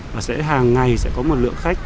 và hàng ngày sẽ có một lượng khách